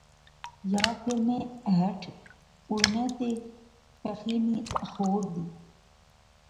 یا فیر میں ہیٹھ آڑے تے پیخی نی آخور دی